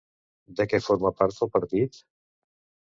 De què forma part el partit?